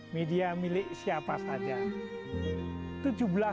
media milik siapa saja